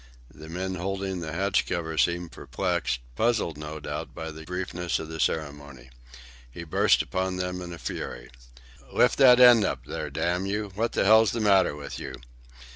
The men holding the hatch cover seemed perplexed, puzzled no doubt by the briefness of the ceremony. He burst upon them in a fury. "Lift up that end there, damn you! What the hell's the matter with you?"